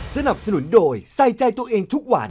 สนับสนุนโดยใส่ใจตัวเองทุกวัน